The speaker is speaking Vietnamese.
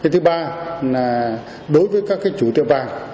thứ ba là đối với các chủ tiệm vàng